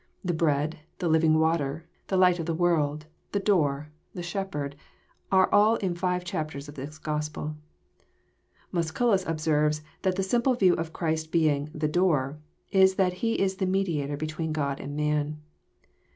The Bread, the Living Water, the Light of the World, the Door, the Shepherd, are all in five chapters of this Gospel. Musculus observes that the simple view of Christ being " the Door," is that He is the Mediator between God and man.